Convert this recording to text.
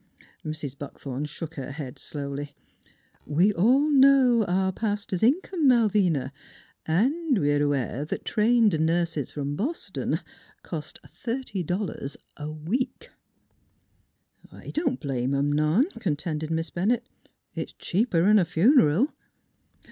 Mrs. Buckthorn shook her head slowly: " We all know our pastor's income, Malvina, an' we are a ware that trained nurses from Bos ton cost thir ty dollars a week." " I don't blame 'em none," contended Miss Ben nett. " It's cheaper 'n a fun'ral."